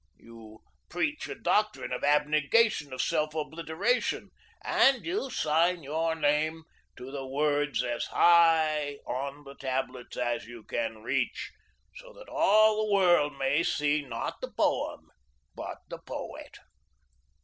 You preach a doctrine of abnegation, of self obliteration, and you sign your name to your words as high on the tablets as you can reach, so that all the world may see, not the poem, but the poet.